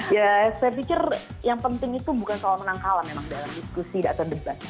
ya saya pikir yang penting itu bukan soal menang kalah memang dalam diskusi atau debat